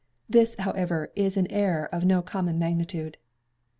This, however, is an error of no common magnitude.